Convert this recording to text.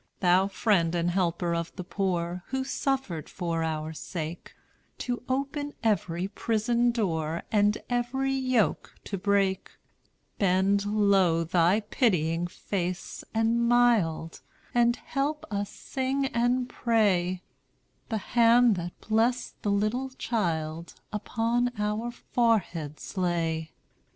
"Thou Friend and Helper of the poor, Who suffered for our sake, To open every prison door, And every yoke to break, "Bend low thy pitying face and mild, And help us sing and pray; The hand that blest the little child Upon our foreheads lay.